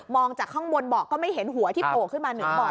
มองจากข้างบนเบาะก็ไม่เห็นหัวที่โปะขึ้นมาหนึ่งเบาะ